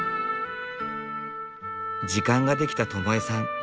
時間が出来た智江さん。